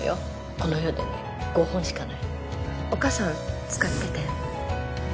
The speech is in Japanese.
この世でね５本しかないのお母さん使ってたよね？